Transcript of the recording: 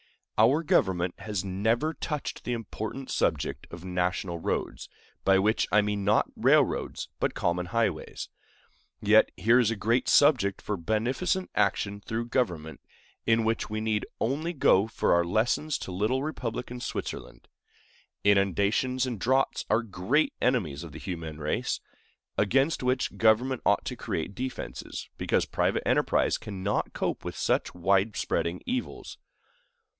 Our government has never touched the important subject of national roads, by which I mean not railroads, but common highways; yet here is a great subject for beneficent action through government, in which we need only go for our lessons to little republican Switzerland. Inundations and droughts are great enemies of the human race, against which government ought to create defenses, because private enterprise cannot cope with such wide spreading evils.